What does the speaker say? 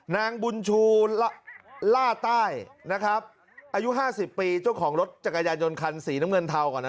นางบุญชูล่าใต้นะครับอายุ๕๐ปีเจ้าของรถจักรยานยนต์คันสีน้ำเงินเทาก่อนนะ